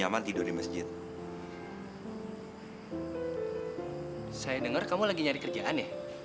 asma ros tuh mau ngasih aku kerjaan